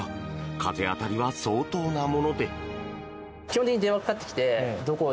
風当たりは相当なもので。